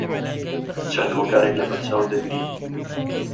چەند هۆکارێک لەبەرچاو دەگرین